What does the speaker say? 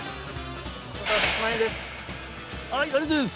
１万円です。